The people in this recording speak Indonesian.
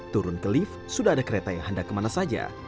turun ke lift sudah ada kereta yang hendak kemana saja